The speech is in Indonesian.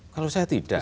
kalau saya tidak